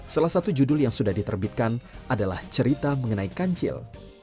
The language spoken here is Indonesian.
salah satu judul yang sudah diterbitkan adalah cerita mengenai kancil